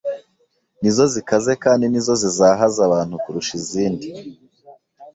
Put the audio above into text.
ni zo zikaze kandi ni zo zizahaza abantu kurusha izindi.